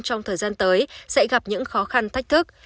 trong thời gian tới sẽ gặp những khó khăn thách thức